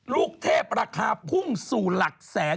ลูกเทพราคาพุ่งสู่หลักแสน